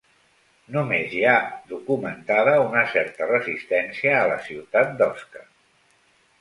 Només hi ha documentada una certa resistència a la ciutat d'Osca.